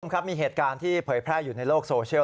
ครับมีเหตุการณ์ที่เผยแพร่อยู่ในโลกโซเชียล